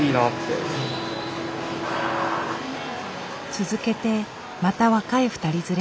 続けてまた若い２人連れ。